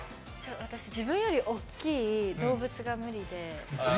私、自分より大きい動物が無理で。